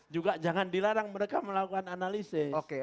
juga jangan dilarang mereka melakukan analisis